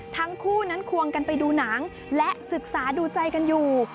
ทั้งคู่นั้นควงกันไปดูหนังและศึกษาดูใจกันอยู่